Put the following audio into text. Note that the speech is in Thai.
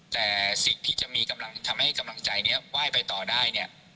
แต่สิทธิ์ที่จะทำให้กำลังใจว่ายไปต่อได้นี่